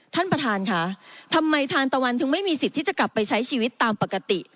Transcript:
ท่านประธานค่ะทำไมทานตะวันถึงไม่มีสิทธิ์ที่จะกลับไปใช้ชีวิตตามปกติ